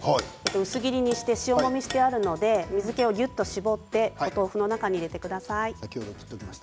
薄切りにして塩もみしてあるので水けをぎゅっと絞ってお豆腐の中に入れてください。